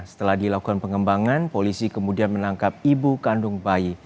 setelah dilakukan pengembangan polisi kemudian menangkap ibu kandung bayi